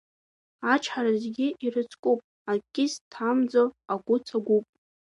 Ачҳара зегьы ирыцкуп, акгьы зҭамӡо агәы цагәуп.